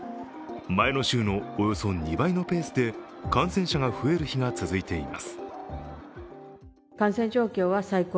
前の週のおよそ２倍のペースで感染者が増える日が続いています。